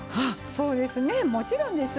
そうですねもちろんです。